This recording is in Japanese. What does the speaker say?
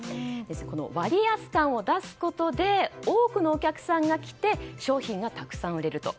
この割安感を出すことで多くのお客さんが来て商品がたくさん売れると。